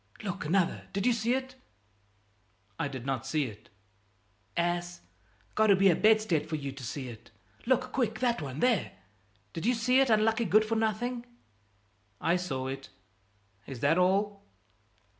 Look, another! Did you see it?" "I did not see it." "Ass! Got to be a bedstead for you to see it! Look, quick, that one, there! Did you see it, unlucky good for nothing?" "I saw it; is that all?"